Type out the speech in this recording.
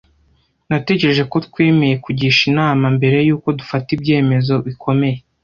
Natekereje ko twemeye kugisha inama mbere yuko dufata ibyemezo bikomeye.